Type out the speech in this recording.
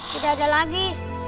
tidak ada lagi